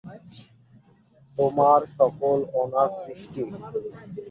তোমার সকল অনাসৃষ্টি।